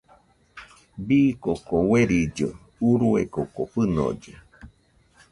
Bii koko uerilli urue koko fɨnolle.